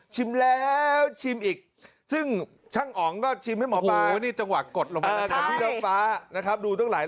ชิมแล้วชิมอีกซึ่งช่างอ๋องก็ชิมให้หมอปลา